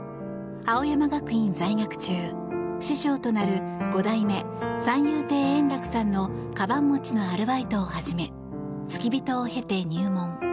青山学院在学中、師匠となる五代目三遊亭圓楽さんのかばん持ちのアルバイトを始め付き人を経て入門。